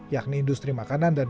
yakni industri makanan dan